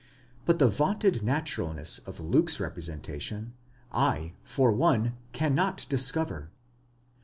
2> But the vaunted naturalness of Luke's representation, I, for one, cannot discover.